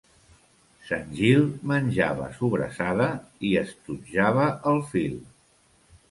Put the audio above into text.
Sant Gil menjava sobrassada i estotjava el fil.